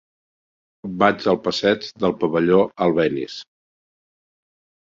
Vaig al passeig del Pavelló Albéniz.